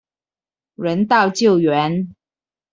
人道救援